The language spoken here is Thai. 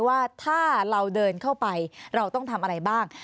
ว่าถ้าเราเดินเข้าไปเราต้องทำอะไรบ้าง